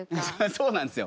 そうなんですよ。